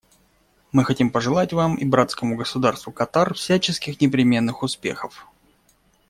Мы хотим пожелать Вам и братскому государству Катар всяческих непременных успехов.